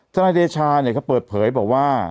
นายเดชาเนี่ยเขาเปิดเผยบอกว่า